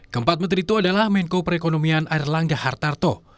keempat menteri itu adalah menko perekonomian erlangga hartorto